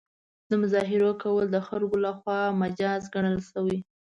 د مظاهرو کول د خلکو له خوا مجاز ګڼل شوي.